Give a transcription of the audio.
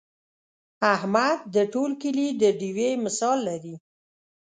احمد د ټول کلي د ډېوې مثال لري.